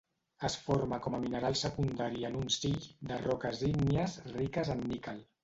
Es forma com a mineral secundari en un sill de roques ígnies riques en níquel.